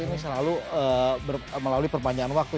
ini selalu melalui perpanjangan waktu